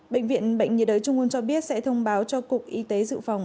bệnh viện bệnh nhiệt đới trung ương cho biết sẽ thông báo cho cục y tế dự phòng